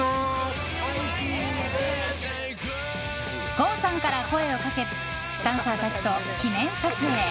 郷さんから声をかけダンサーたちと記念撮影。